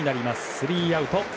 スリーアウト。